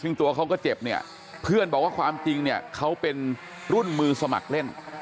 ซึ่งตัวเขาก็เจ็บเนี่ยเพื่อนบอกว่าความจริงเนี่ยเขาเป็นรุ่นมือสมัครเล่น